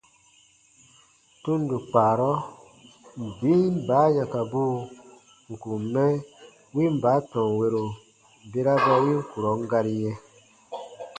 Tundo kpaarɔ, biin baa yãkabuu n kùn mɛ win baa tɔnwero bera ba win kurɔn gari yɛ̃,